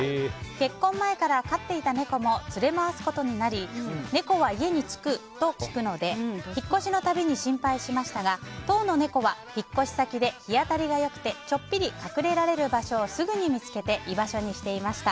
結婚前から飼っていた猫も連れまわすことになり猫は家につくと聞くので引っ越しのたびに心配しましたが当の猫は引っ越し先で日当たりが良くてちょっぴり隠れられる場所をすぐに見つけて居場所にしていました。